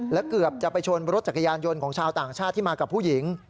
และเกือบจะไปชนรถจักรยานยนต์ของชาวต่างชาติที่มากับผู้หญิง